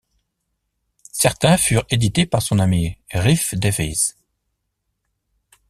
Certains furent édités par son ami Rhys Davies.